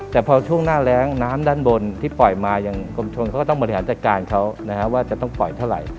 แต่พอช่วงหน้าแรงน้ำด้านบนที่ปล่อยมาอย่างกรมชนเขาก็ต้องบริหารจัดการเขาว่าจะต้องปล่อยเท่าไหร่